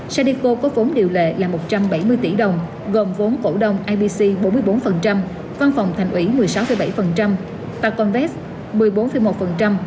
sadeco có vốn điều lệ là một trăm bảy mươi tỷ đồng gồm vốn cổ đông ipc bốn mươi bốn văn phòng thành ủy một mươi sáu bảy và con vết một mươi bốn một